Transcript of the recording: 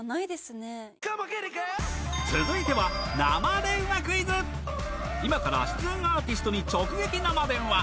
続いては今から出演アーティストに直撃生電話！